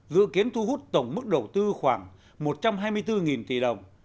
dự kiến thu hút tổng mức đầu tư khoảng một trăm hai mươi bốn tỷ đồng